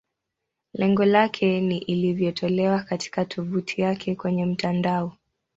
Lengo lake ni iliyotolewa katika tovuti yake kwenye mtandao.